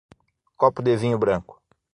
Copo de vinho branco.